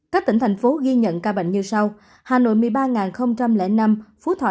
các tỉnh thành phố ghi nhận ca bệnh như sau hà nội một mươi ba năm phú thọ năm ba trăm linh bảy